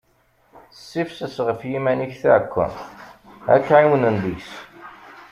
Ssifses ɣef yiman-ik taɛekkemt, ad k-ɛiwnen deg-s.